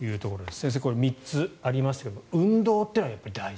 先生、この３つありましたけど運動というのはやっぱり大事。